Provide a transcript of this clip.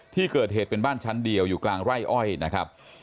ที่เกิดเหตุเป็นบ้านชั้นเดียวอยู่กลางไร่อ้อยนะครับ